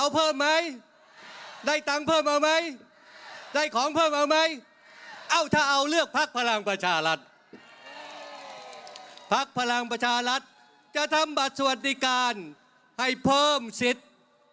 พักพลังประชารัฐจะทำบัตรสวัสดิการให้เพิ่มสิทธิ์